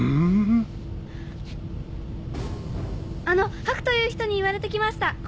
あのハクという人に言われて来ました。